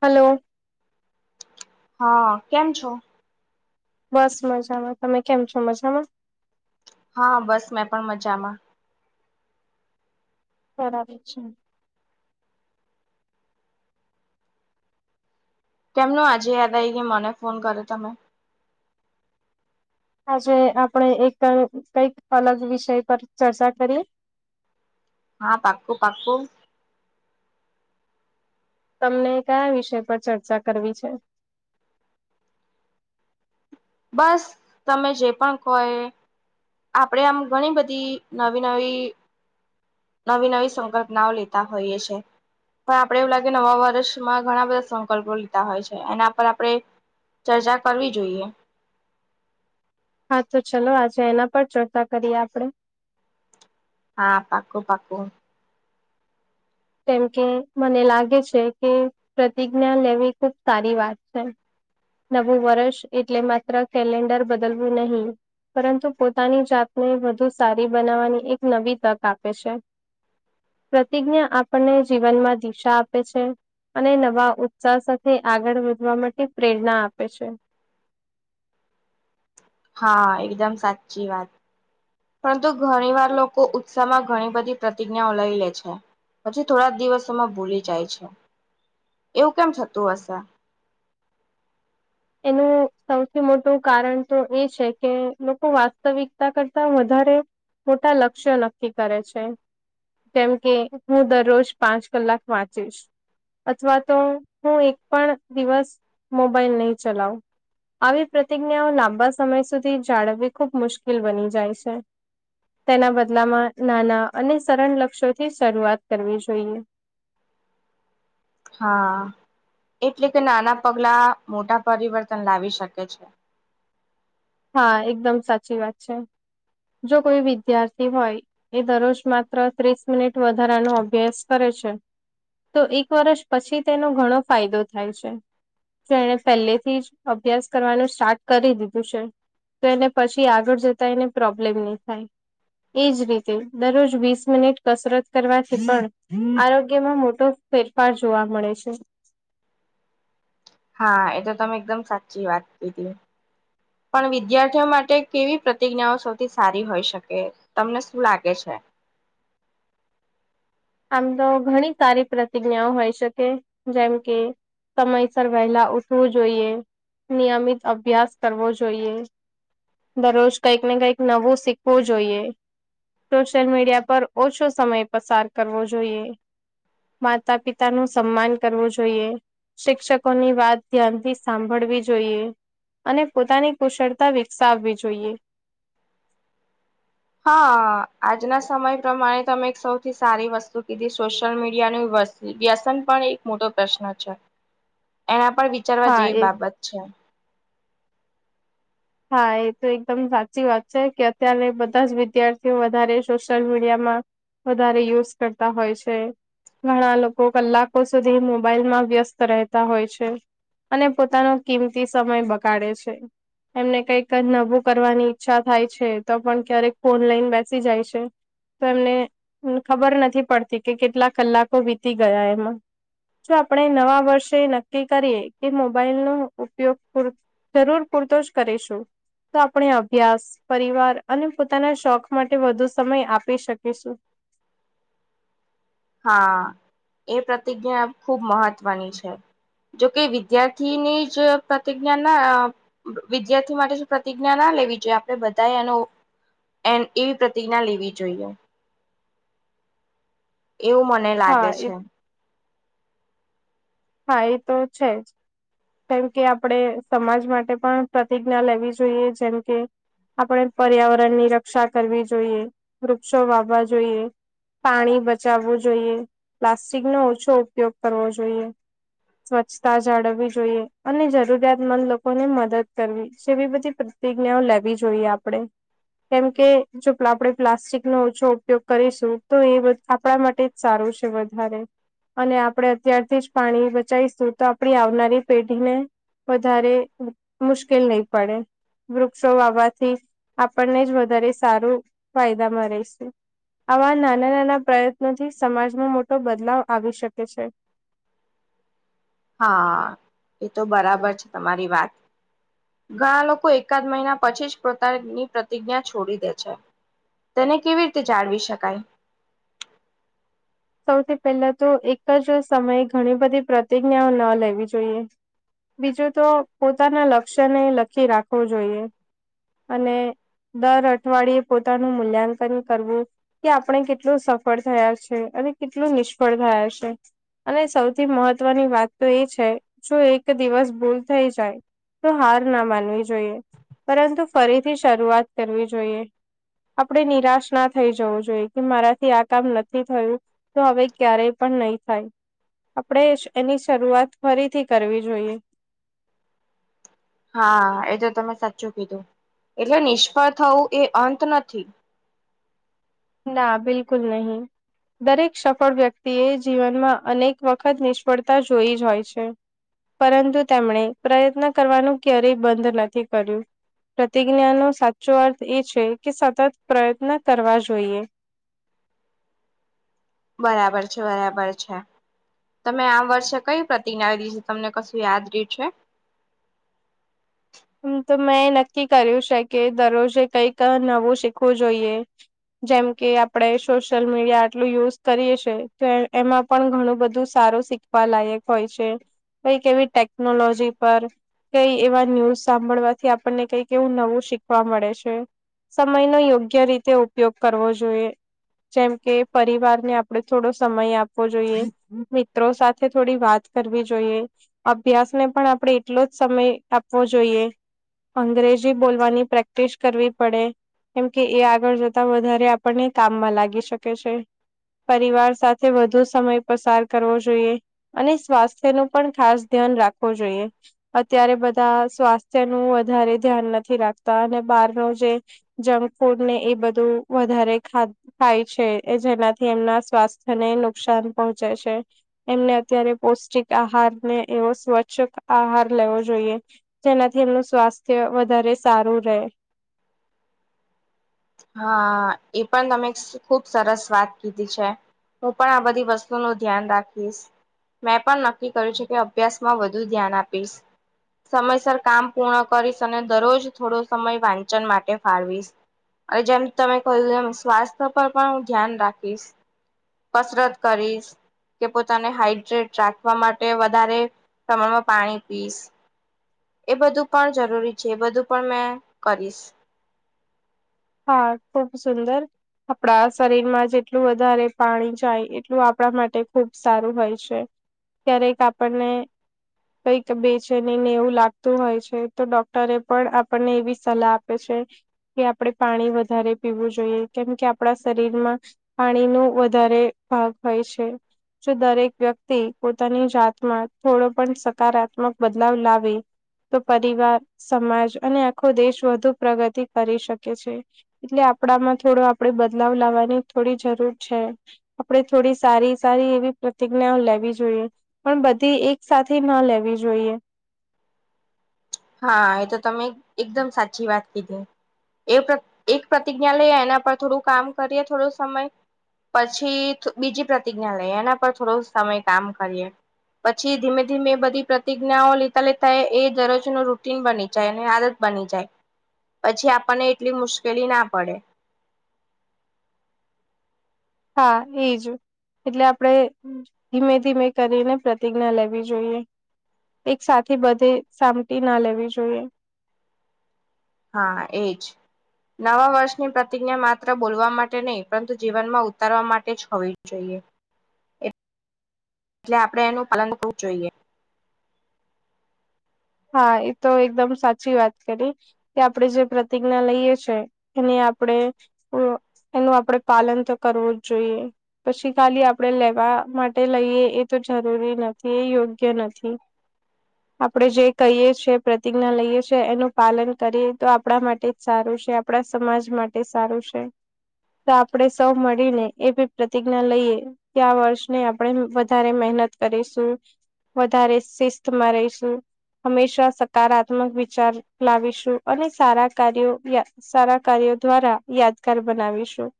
Hello હા કેમ છો? બસ મજામાં. તમે કેમ છો? મજામાં. હા બસ મેં પણ મજામાં. કરાવે છે. કેમનું આજે યાદ આઈ ગયું મને ફોન કરો તમે. આજે આપણે એક કઈક અલગ વિષય પર ચર્ચા કરીએ. હા પાકું પાકું તમને કયા વિષય પર ચર્ચા કરવી છે? બસ તમે જે પણ કો એ. આપડે આમ ઘણી બધી નવી નવી નવી નવી સંકલ્પનાઓ લેતા હોઈએ છીએ. પણ આપડે એવું લાગે નવા વર્ષમાં ઘણા બધા સંકલ્પો લીધા હોય છે એના પર આપણે ચર્ચા કરવી જોઈએ. હા તો ચલો આજે એના પર ચર્ચા કરીએ આપડે. હા પાકું પાકું કેમ કે મને લાગે છે કે પ્રતિજ્ઞા લેવી ખુબ સારી વાત છે. નવું વર્ષ એટલે માત્ર કેલેન્ડર બદલવું નહી. પરંતુ પોતાની જાતને વધુ સારી બનાવવાની એક નવી તક આપે છે. પ્રતિજ્ઞા આપણને જીવનમાં દિશા આપે છે. અને નવા ઉત્સાહ સાથે આગળ વધવા માટે પ્રેરણા આપે છે. હા એકદમ સાચી વાત પરંતુ ઘણી વાર લોકો ઉત્સાહ માં ઘણી બધી પ્રતિજ્ઞાઓ લઈ લે છે. પછી થોડા દિવસોમાં ભૂલી જાય છે, એવું કેમ થતું હશે. એનું સૌથી મોટું કારણ તો એ છે કે લોકો વાસ્તવિકતા કરતા વધારે મોટા લક્ષ્ય નક્કી કરે છે. કેમ કે હું દરરોજ પાંચ કલાક વાંચીશ. અથવા તો હું એક પણ દિવસ મોબાઈલ નહી ચલાઉં. આવી પ્રતિજ્ઞાઓ લાંબા સમય સુધી જાળવવી ખુબ મુશ્કેલ બની જાય છે. તેના બદલામાં નાના અને સરળ લક્ષ્યો થી શરૂઆત કરવી જોઈએ. હા એટલે કે નાના પગલા મોટા પરિવર્તન લાવી શકે છે. હા એકદમ સાચી વાત છે. જો કોઈ વિદ્યાર્થી હોય એ દરરોજ માત્ર ત્રીસ મિનિટ વધારાનો અભ્યાસ કરે છે તો એક વર્ષ પછી તેનો ઘણો ફાયદો થાય છે. જો એને પહેલે થી જ અભ્યાસ કરવાનું સ્ટાર્ટ કરી દીધું છે. તો એને પછી આગળ જતા એને પ્રોબ્લેમ નહી થાય. એજ રીતે દરરોજ વીસ મિનિટ કસરત કરવાથી પણ આરોગ્યમાં મોટો ફેરફાર જોવા મળે છે. હા એ તો તમે એકદમ સાચી વાત કીધી. પણ વિદ્યાર્થીઓ કેવી પ્રતિજ્ઞાઓ સારી હોઈ શકે. તમને શું લાગે છે? આમ તો ઘણી સારી પ્રતિજ્ઞાઓ હોઈ શકે જેમ કે સમયસર વહેલા ઉઠવું જોઈએ નિયમિત અભ્યાસ કરવો જોઈએ દરરોજ કઈક ને કઈક નવું શીખવું જોઈએ. સોશિયલ મીડિયા પર ઓછો સમય પસાર કરવો જોઈએ. માતા પિતા નું સન્માન કરવું જોઈએ. શિક્ષકોની વાત ધ્યાનથી સાંભળવી જોઈએ. અને પોતાની કુશળતા વિકસાવવી જોઈએ. હા આજના સમય પ્રમાણે તમે એક સૌથી સારી વસ્તુ કીધી સોશિયલ મીડિયાનું વશ વ્યસન પણ એક મોટો પ્રશ્ન છે એના પર વિચારવા હા જેવી એ બાબત છે. હા એ તો એકદમ સાચી વાત છે કે અત્યારે બધા જ વિદ્યાર્થીઓ વધારે સોશિયલ મીડિયામાં વધારે યુઝ કરતા હોય છે. ઘણા લોકો કલાકો સુધી મોબાઈલ માં વ્યસ્ત રહેતા હોય છે. અને પોતાનો કિંમતી સમય બગાડે છે. એમને કઈક નવુ કરવાની ઈચ્છા થાય છે તો પણ ક્યારેક ફોન લઈન બેસી જાય છે. તો એમને ખબર નથી પડતી કે કેટલા કલાકો વીતી ગયા એમાં જો આપણે નવા વર્ષે નક્કી કરીએ કે મોબાઈલ નો ઉપયોગ પૂરો જરૂર પૂરતો જ કરીશું. તો આપણે અભ્યાસ પરિવાર અને પોતાના શોખ માટે વધુ સમય આપી શકીશું. [inaudible] હા એ પ્રતિજ્ઞા ખૂબ મહત્વની છે. જોકે વિદ્યાર્થી નેજ પ્રતિજ્ઞા ના વિદ્યાર્થી માટે શું પ્રતિજ્ઞા ના લેવી જોઈએ આપડે બધા એનો એમ એ પ્રતિજ્ઞા લેવી જોઈએ. એવું મને હા લાગે એ છે. હા એ તો છેજ. કેમ કે આપડે સમાજ માટે પણ પ્રતિજ્ઞા લેવી જોઈએ જેમ કે આપડે પર્યાવરણ ની રક્ષા કરવી જોઈએ વૃક્ષો વાવવા જોઈએ પાણી બચાવવું જોઈએ, પ્લાસ્ટિક નો ઓછો ઉપયોગ કરવો જોઈએ. સ્વચ્છતા જાળવવી જોઈએ અને જરૂરિયાતમંદ લોકોને મદદ કરવી જેવી બધી પ્ર પ્રતિજ્ઞાઓ લેવી જોઈએ આપડે. કેમકે જો આપણે પ્લાસ્ટિક નો ઓછો ઉપયોગ કરીશું તો એ આપણા માટે જ સારું છે વધારે અને આપણે ત્યારથી જ પાણી બચાવીશું તો આપણી આવનારી પેઢીને વધારે મુશ્કેલ નઈ પડે. વૃક્ષો વાવાથી આપણને જ વધારે સારું ફાયદા માં રઇસુ. આવા નાના નાના પ્રયત્નોથી સમાજમાં મોટો બદલાવ આવી શકે છે. [inaudible] હા એ તો બરાબર છે તમારી વાત. ઘણા લોકો એકાદ મહિના પછી જ પોતાની પ્રતિજ્ઞા છોડી દે છે. તેને કેવી રીતે જાળવી શકાય? સૌથી પહેલા તો એક જ સમયે ઘણી બધી પ્રતિજ્ઞાઓ ન લેવી જોઈએ. બીજું તો પોતાના લક્ષ્યને લખી રાખવું જોઈએ અને દર અઠવાડિયે પોતાનું મૂલ્યાંકન કરવું કે આપણે કેટલું સફળ થયા છે અને કેટલું નિષ્ફળ થયા છે. અને સૌથી મહત્વની વાત તો એ છે જો એક દિવસ ભૂલ થઈ જાય તો હાર ના માનવી જોઈએ પરંતુ ફરીથી શરૂઆત કરવી જોઈએ. આપણેે નિરાશ ના થઈ જવુ જોઈએ કે મારાથી આ કામ નથી થયું. તો હવે ક્યારે પણ નહી થાય. આપણેે સ એની શરૂઆત ફરીથી કરવી જોઈએ. હા એ તો તમે સાચું કીધું એટલે નિષ્ફળ થવું એ અંત નથી. ના બિલકુલ નહી. દરેક સફળ વ્યક્તિ એ જીવનમાં અનેક વખત નિષ્ફળતા જોઈ જ હોય છે. પરંતુ તેમણે પ્રયત્ન કરવાનું ક્યારેય બંધ નથી કર્યું. પ્રતિજ્ઞાનો સાચો અર્થ એ છે કે સતત પ્રયત્ન કરવા જોઈએ. બરાબર છે બરાબર છે. તમે આ વર્ષે કઈ પ્રતિજ્ઞા લીધી, તમને કશું યાદ રિયુ છે? હમમ તો મેં નક્કી કર્યું છે કે દરરોજે કઈક નવું શીખવું જોઈએ. જેમ કે આપણે સોશિયલ મીડિયા આટલું યુઝ કરીએ છે તો એમાં પણ ઘણું બધું સારું શીખ વા લાયક હોય છે, કઈક એવી ટેકનોલોજી પર કઈ એવા ન્યૂઝ સાંભળવાથી આપણને કઈક એવું નવું શીખવા મળે છે. સમય નો યોગ્ય રીતે ઉપયોગ કરવો જોઈએ. જેમ કે પરિવારને આપણે થોડો સમય આપવો જોઈએ. મિત્રો સાથે થોડી વાત કરવી જોઈએ. અભ્યાસને પણ આપણે એટલો જ સમય આપવો જોઈએ. અંગ્રેજી બોલવાની પ્રેક્ટિસ કરવી પડે. કેમ કે એ આગળ જતા વધારે આપણને કામમાં લાગી શકે છે. પરિવાર સાથે વધુ સમય પસાર કરવો જોઈએ અને સ્વાસ્થ્ય નું પણ ખાસ ધ્યાન રાખવું જોઈએ. અત્યારે બધા સ્વાસ્થ્ય નું વધારે ધ્યાન નથી રાખતા અને બાર નું જે જંક ફૂડ ને એ બધું વધારે ખા ખાય છે જેનાથી એમના સ્વાસ્થ્ય ને નુકસાન પહોંચે છે. એમને અત્યારે પૌષ્ટિક આહારને એવો સ્વચ્છ આહાર લેવો જોઈએ. જેનાથી એમનું સ્વાસ્થ્ય વધારે સારું રેહ. હા, એ પણ તમે ખુબ સરસ વાત કીધી. છે. હું પણ આ બધી વસ્તુ નું ધ્યાન રાખીશ. મેં પણ નક્કી કર્યું છે કે અભ્યાસ માં વધુ ધ્યાન આપીશ. સમયસર કામ પૂર્ણ કરીશ અને દરરોજ થોડો સમય વાંચન માટે ફાળવીશ. અને જેમ તમે કહ્યું એમ સ્વાસ્થ્ય પર પણ હું ધ્યાન રાખીશ. કસરત કરીશ. કે પોતાને હાઈડ્રેટ રાખવા માટે વધારે પ્રમાણમાં પાણી પીશ. એ બધું પણ જરૂરી છે, એ બધું પણ મેં કરીશ. હા, ખૂબ સુંદર. આપડા શરીરમાં જેટલું વધારે પાણી જાય એટલું આપડા માટે ખુબ સારું હોય છે. ક્યારેક આપણને. કઈક બેચીની ને એવું લાગતું હોય છે, તો ડોક્ટરે પણ આપણને એવી સલાહ આપે છે. આપણડે પાણી વધારે પીવું જોઈએ કેમ કે આપણા શરીરમાં પાણીનું વધારે ભાગ હોય છે. દરેક વ્યક્તિ પોતાની જાતમાં થોડો પણ સકારાત્મક બદલાવ લાવે. તો પરિવાર, સમાજ અને આખો દેશ વધુ પ્રગતિ કરી શકે. એટલે આપડામાં થોડો આપડે બદલાવ લાવવાની થોડી જરૂર છે. આપડે થોડી સારી સારી એવી પ્રતિજ્ઞાઓ લેવી જોઈએ. પણ બધી એક સાથી ના લેવી જોઈએ. હા, એતો તમે એકદમ સાચી વાત કીધી. એ એક પ્રતિજ્ઞા લઈએ એના પર થોડું કામ કરીએ થોડો સમય. પછી બીજી પ્રતિજ્ઞા લઈએ એના પર થોડો સમય કામ કરીએ. પછી ધીમે ધીમે એ બધી પ્રતિજ્ઞાઓ લેતા લેતા એ દરોજ રૂટિન બની જાય અને આદત બની જાય, પછી આપણને એટલી મુશ્કેલી ના પડે. હા, એજ એટલે આપડે ધીમે ધીમે કરીને પ્રતિજ્ઞા લેવી જોઈએ. એક સાથી બધે સામટી ના લેવી જોઈએ. હા, એજ. નવા વર્ષની પ્રતિજ્ઞા માત્ર બોલવા માટે નહીં પરંતુ જીવનમાં ઉતારવા માટે જ હોવી જોઈએ. એટલે આપડે એનું પાલન કરવું જોઈએ. હા, એતો એકદમ સાચી વાત કરી. કે આપડે જે પ્રતિજ્ઞા લઈએ છે તેની આપડે તો એનું આપડે પાલન તો કરવું જ જોઈએ. પછી ખાલી આપડે લેવા માટે લઈએ એતો જરૂરી નથી, એ યોગ્ય નથી. આપડે જે કહીએ છે પ્રતિજ્ઞા લઈએ છે, એનું પાલન કરીએ તો આપડા માટે જ સારું છે. આપડા સમાજ માટે સારું છે. તો આપડે સૌ મળીને એવી પ્રતિજ્ઞા લઈએ ત્યા વર્ષને આપડે વધારે મહેનત કરીશું. વધારે શિસ્તમાં રહીશું. હંમેશા સકારાત્મક વિચાર લાવીશું અને સારા કાર્યો [unintelligible] સારા કાર્યો દ્વારા યાદગાર બનાવીશું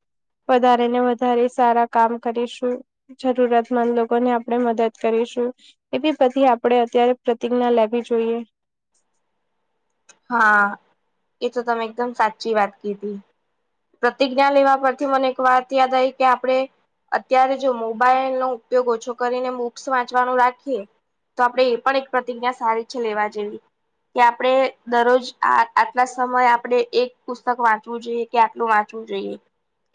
વધારે ને વધારે સારા કામ કરીશું જરૂરિયાતમંદ લોકોને આપણે મદદ કરીશું. એવી બધી આપણે અત્યારે પ્રતિજ્ઞના લાવી જોઈએ. હા, એ તો તમે એકદમ સાચી વાત કીધી. પ્રતિજ્ઞા લેવા પરથી મને એક વાત યાદ આવી કે આપણે અત્યારે જો મોબાઈલનો ઉપયોગ ઓછો કરીને બુક્સ વાંચવાનું રાખીએ તો આપણે એ પણ એક પ્રતિજ્ઞા સારી છે, લેવા જેવી. કે આપણે દરરોજ આ આટલા સમયે આપણે એક પુસ્તક વાંચવું જોઈએ. કે આટલું વાંચવું જોઈએ.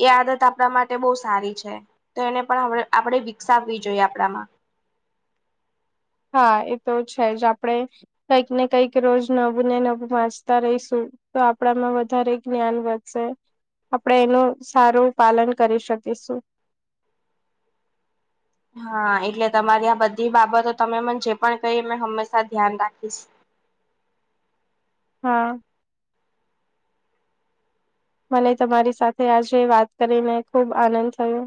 એ આદત આપણા માટે બહુ સારી છે તો એને પણ આપણે વિકસાવવી જોઈએ આપણામાં. હા એ તો છે જ આપણેે કઈક ને કંઈક રોજ નવું ને નવું વાંચતા રહીશું. તો આપણામાં વધારે જ્ઞાન વધશે. આપણે એનું સારું પાલન કરી શકીશું. હા એટલે તમારી આ બધી બાબતો તમે મને જે પણ કહી હંમેશા ધ્યાન રાખીશ હા. મને તમારી સાથે આજે વાત કરીને ખુબ આનંદ થયો.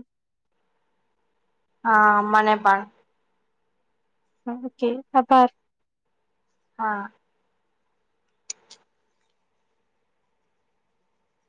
હા મને પણ કેવું પ્રકાર હા.